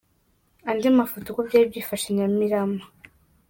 Andi mafoto uko byari byifashe i Nyamirama .